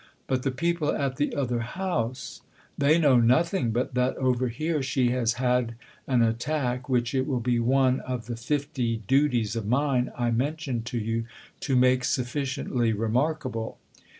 " But the people at the other house ?"" They know nothing but that over here she has had an attack which it will be one of the fifty duties of mine I mentioned to you to make sufficiently remarkable.